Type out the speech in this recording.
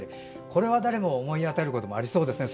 これは誰も思い当たることもありそうですね